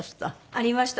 ありました。